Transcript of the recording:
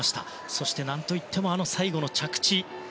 そして、何といってもあの最後の着地。